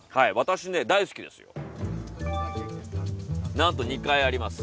なんと２回あります